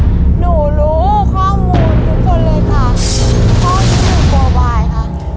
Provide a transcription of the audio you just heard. หนูรู้ข้อมูลทุกคนเลยค่ะ